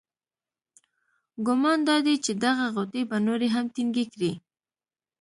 ګمان دادی چې دغه غوټې به نورې هم ټینګې کړي.